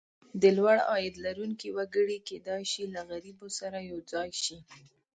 د لوړ عاید لرونکي وګړي کېدای شي له غریبو سره یو ځای شي.